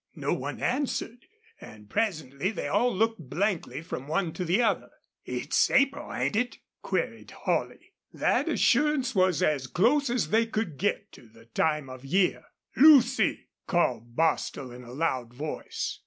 No one answered, and presently they all looked blankly from one to the other. "It's April, ain't it?" queried Holley. That assurance was as close as they could get to the time of year. "Lucy!" called Bostil, in a loud voice.